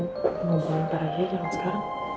ngomong ngomong parah dia jangan sekarang